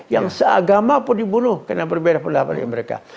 yang seagama pun dibunuh karena berbeda pendapat dengan mereka